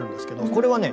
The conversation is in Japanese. これはね